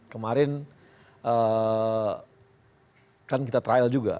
kemarin kan kita trial juga